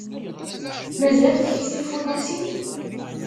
Mazal tkess tifunasin?